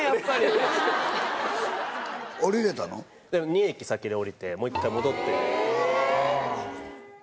２駅先で降りてもう一回戻って。